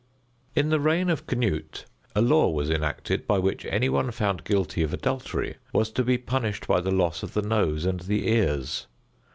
In the reign of Canute a law was enacted by which any one found guilty of adultery was to be punished by the loss of the nose and the ears.